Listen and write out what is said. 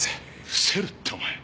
伏せるってお前。